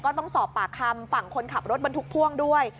ต้องสอบปากคำฝั่งคนขับรถบรรทุกพ่วงด้วย